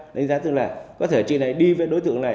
đánh giá tức là có thể chị này đi với đối tượng này